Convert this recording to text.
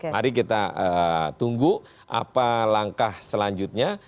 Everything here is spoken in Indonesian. mari kita tunggu apa langkah selanjutnya